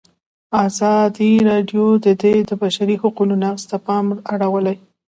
ازادي راډیو د د بشري حقونو نقض ته پام اړولی.